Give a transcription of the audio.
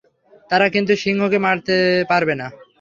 কিন্তু তারা সিংহকে মারতে পারবে না।